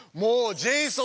ジェイソン！